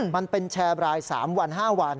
มันเป็นแชร์ราย๓วัน๕วัน